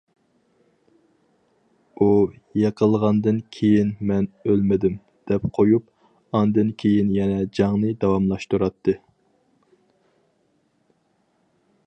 ئۇ يىقىلغاندىن كېيىن مەن ئۆلمىدىم، دەپ قويۇپ، ئاندىن كېيىن يەنە جەڭنى داۋاملاشتۇراتتى.